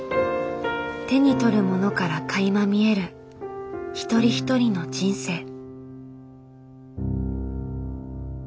手に取るものからかいま見える一人一人の人生。